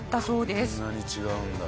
こんなに違うんだ。